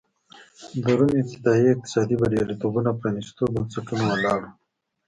د روم ابتدايي اقتصادي بریالیتوبونه پرانېستو بنسټونو ولاړ و.